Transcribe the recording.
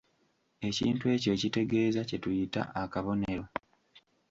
Ekintu ekyo ekitegeeza kye tuyita; akabonero.